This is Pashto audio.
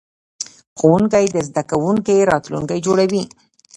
ښوونکی د زده کوونکي راتلونکی جوړوي.